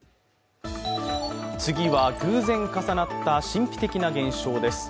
次は、偶然重なった神秘的な現象です。